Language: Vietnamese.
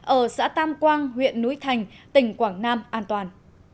ở xã tam quang huyện núi thành tỉnh quảng nam an toàn